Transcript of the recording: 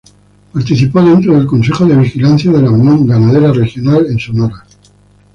Participó dentro del Consejo de Vigilancia de la Unión Ganadera Regional en Sonora.